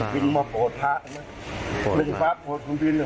บินมาโปรดทะ